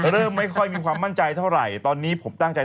เริ่มไม่ค่อยมีความมั่นใจเท่าไหร่